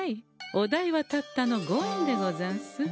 お代はたったの５円でござんす。